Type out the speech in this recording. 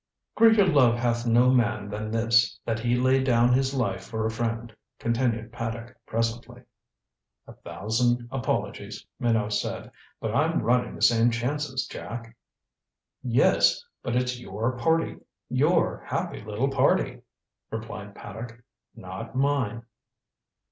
"Greater love hath no man than this, that he lay down his life for a friend," continued Paddock presently. "A thousand apologies," Minot said. "But I'm running the same chances, Jack." "Yes but it's your party your happy little party," replied Paddock. "Not mine."